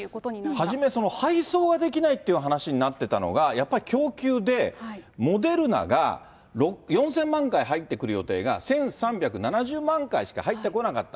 初め、配送ができないっていう話になってたのが、やっぱり供給で、モデルナが４０００万回入ってくる予定が１３７０万回しか入ってこなかった。